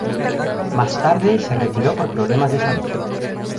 Más tarde, se retiró por problemas de salud.